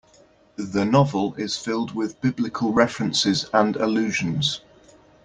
The novel is filled with Biblical references and allusions.